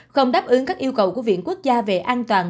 không đáp ứng các yêu cầu của viện quốc gia về an toàn